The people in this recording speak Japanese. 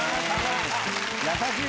優しい！